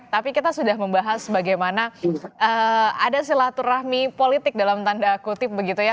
tapi kita sudah membahas bagaimana ada silaturahmi politik dalam tanda kutip begitu ya